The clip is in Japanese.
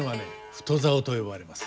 太棹と呼ばれます。